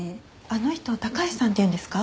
あの人高橋さんっていうんですか？